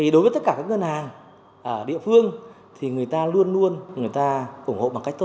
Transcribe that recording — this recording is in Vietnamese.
đối với tất cả các ngân hàng ở địa phương